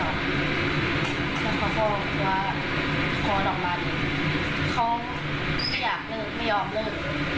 เรามีแฟงใหม่เลย